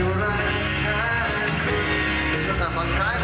อีกเพลงหนึ่งครับนี้ให้สนสารเฉพาะเลย